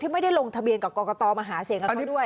ที่ไม่ได้ลงทะเบียนกับกตมาหาเสียงกันด้วย